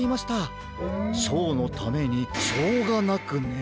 ショーのためにショーがなくね。